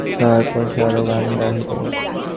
তাহার পর সে আরও গান গাহিল।